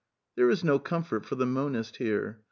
There is no comfort for the monist here.